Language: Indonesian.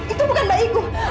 itu bukan bayiku